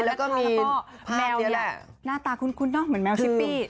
แล้วก็มีแมวหน้าตาคุ้นเหมือนแมวชิปปี้